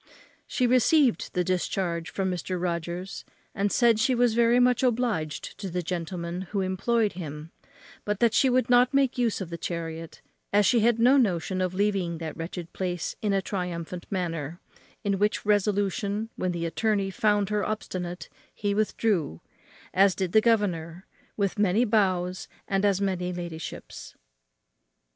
She received the discharge from Mr. Rogers, and said she was very much obliged to the gentleman who employed him, but that she would not make use of the chariot, as she had no notion of leaving that wretched place in a triumphant manner; in which resolution, when the attorney found her obstinate, he withdrew, as did the governor, with many bows and as many ladyships.